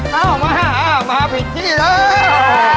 เฮ้ะมาเผิดที่นี่เลย